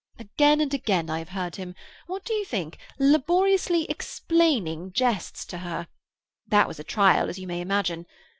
Again and again I have heard him—what do you think?—laboriously explaining jests to her. That was a trial, as you may imagine.